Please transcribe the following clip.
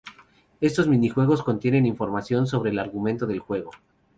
Estos minijuegos contienen información sobre el argumento del juego.